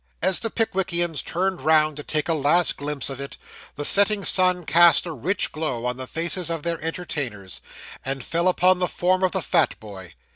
As the Pickwickians turned round to take a last glimpse of it, the setting sun cast a rich glow on the faces of their entertainers, and fell upon the form of the fat boy.